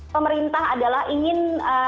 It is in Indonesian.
pemerintah adalah ingin